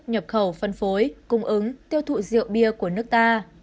nhập khẩu phân phối cung ứng tiêu thụ rượu bia của nước ta